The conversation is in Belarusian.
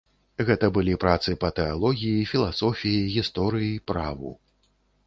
Гэта былі працы па тэалогіі, філасофіі, гісторыі, праву.